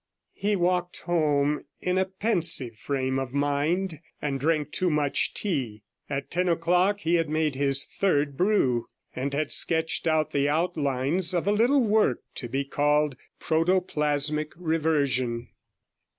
He walked home in a pensive frame of mind, and drank too much tea. At ten o'clock he had made his third brew, and had sketched out the outlines of a little work to be called Protoplasmic Reversion.